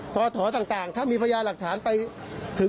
พอถอต่างถ้ามีพยายามหลักฐานไปถึงใครบนเรือ